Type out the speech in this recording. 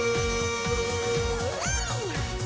うん。